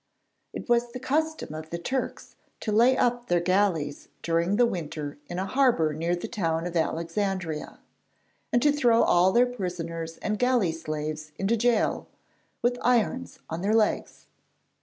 It was the custom of the Turks to lay up their galleys during the winter in a harbour near the town of Alexandria, and to throw all their prisoners and galley slaves into gaol, with irons on their legs.